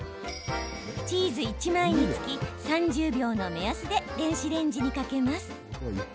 チーズ１枚につき３０秒の目安で電子レンジにかけます。